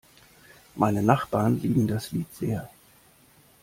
Meine Nachbarn lieben das Lied sehr.